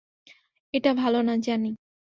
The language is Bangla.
এটা ভালো না, জানি!